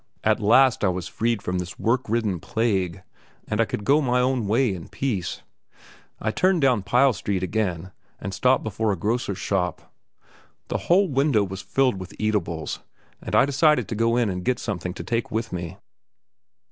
At last I was freed from this work ridden plague, and I could go my way in peace. I turned down Pyle Street again, and stopped before a grocer's shop. The whole window was filled with eatables, and I decided to go in and get something to take with me.